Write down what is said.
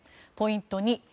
ポイント